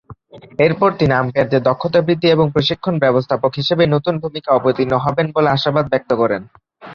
এরপর তিনি আম্পায়ারদের দক্ষতা বৃদ্ধি এবং প্রশিক্ষণ ব্যবস্থাপক হিসেবে নতুন ভূমিকায় অবতীর্ণ হবেন বলে আশাবাদ ব্যক্ত করেন।